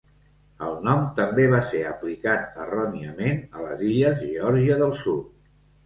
El nom també va ser aplicat erròniament a les illes Geòrgia del Sud.